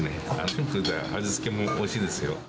シンプルで味付けもおいしいですよ。